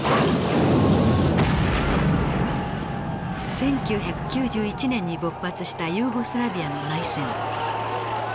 １９９１年に勃発したユーゴスラビアの内戦。